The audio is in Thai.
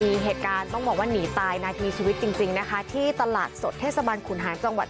มีเหตุการณ์ต้องบอกว่าหนีตายนาทีชีวิตจริงนะคะที่ตลาดสดเทศบาลขุนหางจังหวัด